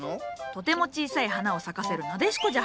とても小さい花を咲かせるナデシコじゃ。